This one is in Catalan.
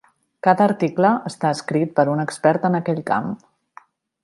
Cada article està escrit per un expert en aquell camp.